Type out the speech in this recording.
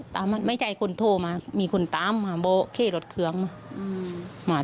ติดต่อไม่ได้เลยนะคะ